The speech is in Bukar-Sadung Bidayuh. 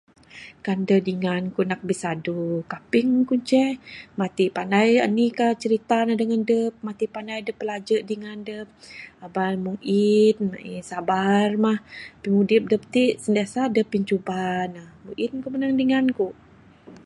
Kan deh dingan ku nak bisadu kaping ku ne ceh matik pandai anih ka cerita ne dengan adep matik pandai dep bilaje dingan dep. Eba mun ein maeh... Sabar mah pimudip dep t sentiasa deh pincuba ne mung ein ku menang dingan ku.